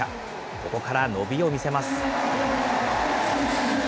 ここから伸びを見せます。